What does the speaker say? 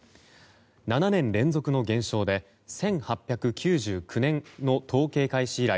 ７年連続の減少で１８９９年の統計開始以来